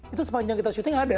itu sepanjang kita syuting ada